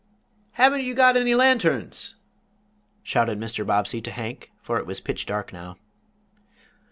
"Haven't you got any lanterns?" shouted Mr. Bobbsey to Hank, for it was pitch dark now.